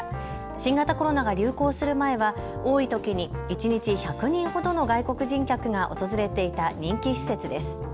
新型コロナが流行する前は多いときに一日１００人ほどの外国人客が訪れていた人気施設です。